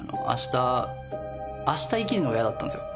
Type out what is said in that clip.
あした生きるのが嫌だったんですよ。